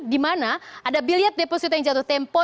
dimana ada bilet deposito yang jatuh tempo